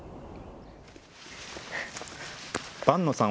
伴野さん